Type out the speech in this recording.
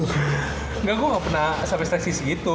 nggak gue gak pernah sampe stresis gitu